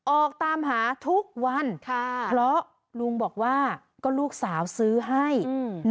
ออกตามหาทุกวันค่ะเพราะลุงบอกว่าก็ลูกสาวซื้อให้อืม